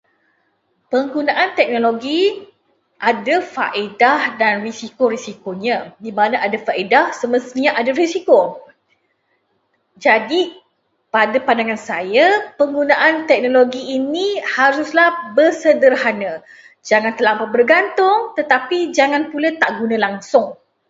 Penggunaan teknologi ada faedah dan risiko-risikonya. Di mana ada faedah, semestinya ada risiko. Jadi, pada pandangan saya, penggunaan teknologi ini haruslah bersederhana. Jangan terlampau bergantung, tetapi jangan pula tak guna langsung.